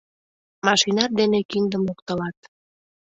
Машинат дене киндым локтылат!..